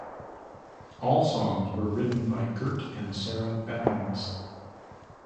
All songs were written by Gert and Sarah Bettens.